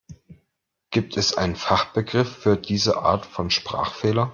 Gibt es einen Fachbegriff für diese Art von Sprachfehler?